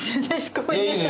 ごめんなさい。